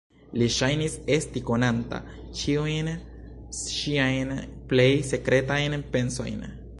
Li ŝajnis esti konanta ĉiujn ŝiajn plej sekretajn pensojn.